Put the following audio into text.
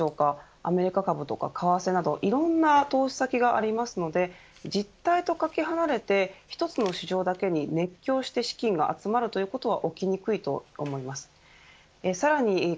アメリカ株とか為替などいろんな投資先がありますので実体とかけ離れて１つの市場だけに熱狂して資金が集まるということは起きにくいと思います。